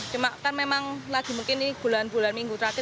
cuma kan memang lagi mungkin ini bulan bulan minggu terakhir